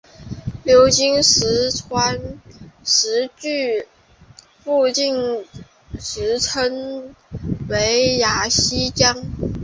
流经四川石渠附近时称为雅砻江。